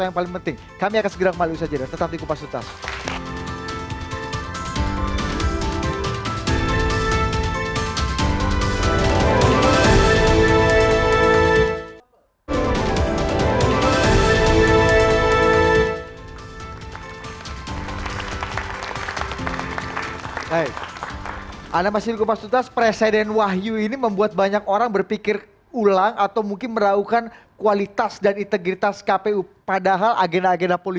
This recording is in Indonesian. yang paling penting kami akan segera ke maliwisa jadwal